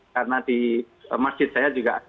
karena di masjid saya juga